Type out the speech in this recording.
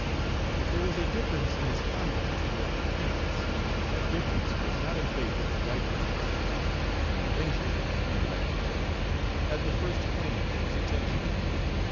If there was a difference in his conduct Page 91 toward dependents, that difference was not in favor of white men. The injured, he rightly judged, had the first claim to his attention.